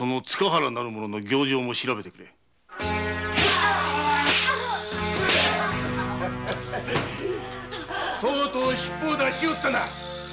とうとうしっぽを出しおったな！